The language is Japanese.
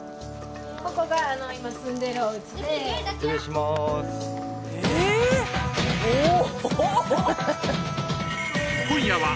ここが今住んでるおうちで失礼しまーすえっおお